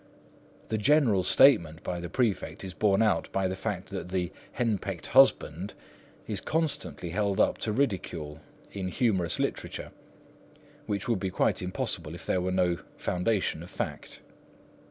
The general statement by the prefect is borne out by the fact that the "henpecked husband" is constantly held up to ridicule in humorous literature, which would be quite impossible if there were no foundation of fact.